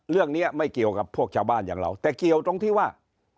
เรื่องนี้ไม่เกี่ยวกับพวกชาวบ้านอย่างเราแต่เกี่ยวตรงที่ว่า